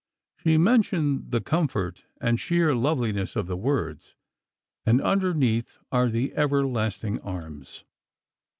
She mentioned the comfort and sheer loveliness of the words: "And underneath are the everlasting arms."